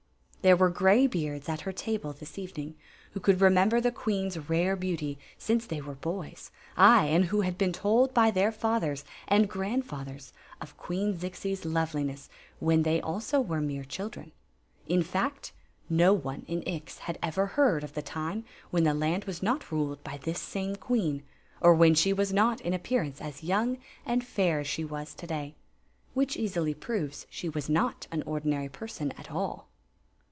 There were graybeards at her table this evening who could remember the queen's rare beauty since they were boys; ay, and who had been told by their Story of the Magic Cloak 139 fathers and grandfathers of Queen Zixi's loveliness when they also were mere children. In fact, no one in Ix had ever heard of the time when the land was not ruled by this same queen, or when she was not in appearance as young and fair as she was to day. Which easily proves she was not an ordinary person at all.